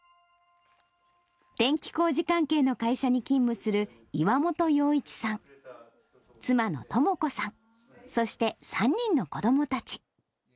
電気工事関係の会社に勤務する岩元洋一さん、妻の智子さん、そして３人の子どもたち。